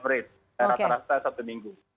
rasa rasa satu minggu